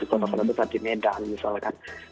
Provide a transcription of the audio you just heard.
kota kota besar di medan misalkan